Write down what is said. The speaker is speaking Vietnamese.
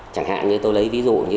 chẳng hạn như tôi lấy ví dụ như